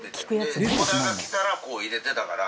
でオーダーが来たらこう入れてたから。